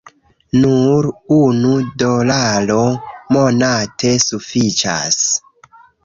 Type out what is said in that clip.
Nur unu dolaro monate sufiĉas